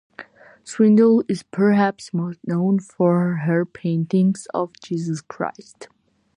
Swindle is perhaps most known for her paintings of Jesus Christ.